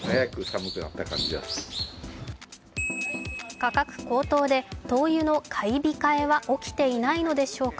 価格高騰で灯油の買い控えは起きていないのでしょうか、